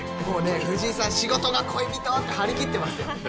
もうね藤井さん仕事が恋人って張り切ってますよ。